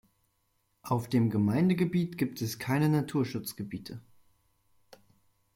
Auf dem Gemeindegebiet gibt es keine Naturschutzgebiete.